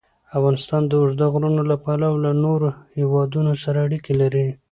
افغانستان د اوږده غرونه له پلوه له نورو هېوادونو سره اړیکې لري.